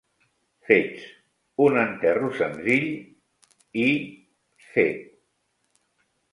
Fets! Un enterro senzill... i... fet!